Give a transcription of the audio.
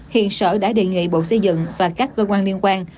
hiện sở đã đề nghị bộ xây dựng và các cơ quan liên quan